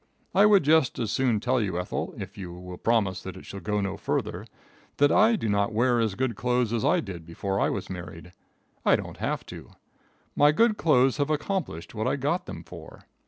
I would just as soon tell you, Ethel, if you will promise that it shall go no farther, that I do not wear as good clothes as I did before I was married. I don't have to. My good clothes have accomplished what I got them for.